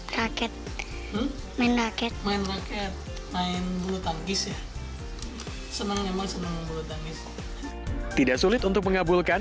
kakek kakek main main bulu tangkis ya senang memang senang tidak sulit untuk mengabulkan